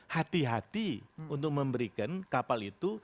hati hati untuk memberikan kapal itu